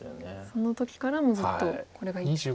その時からもうずっとこれがいいと。